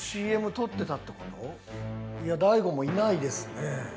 いや大悟もいないですね。